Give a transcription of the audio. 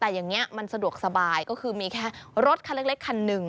แต่อย่างนี้มันสะดวกสบายก็คือมีแค่รถคันเล็กคันหนึ่ง